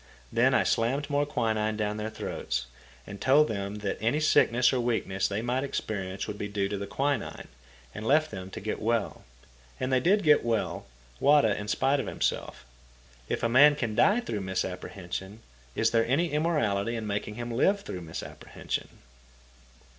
Then I slammed more quinine down their throats, told them that any sickness or weakness they might experience would be due to the quinine, and left them to get well. And they did get well, Wada in spite of himself. If a man can die through a misapprehension, is there any immorality in making him live through a misapprehension?